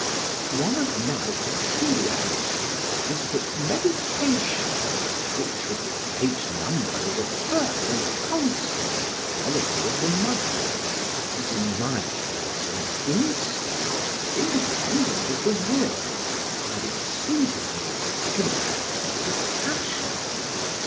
One of my peculiarities is that meditation, which with the great number is a firm and constant quality of the mind, is in my case an instinct independent of the will and it seizes me like an access of passion.